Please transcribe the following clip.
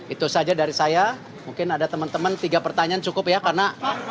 itu saja dari saya mungkin ada teman teman tiga pertanyaan cukup ya karena